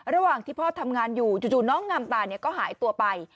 ระหว่างที่พ่อทำงานอยู่จู่น้องงามตาก็หายตัวไป